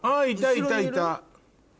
いたいたいた。